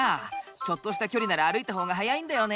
ちょっとした距離なら歩いた方が早いんだよね。